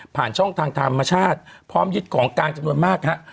ผ่านช่องทางธรรมชาติพร้อมยึดของกลางจำนวนมากฮะ